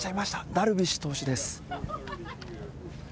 ダルビッシュ投手です。